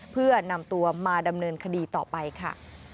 เพื่อนำตัวมาดำเนินคดีต่อไปค่ะ